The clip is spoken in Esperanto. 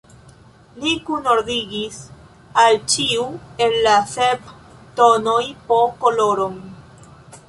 Li kunordigis al ĉiu el la sep tonoj po koloron.